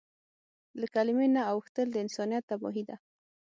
له کلیمې نه اوښتل د انسانیت تباهي ده.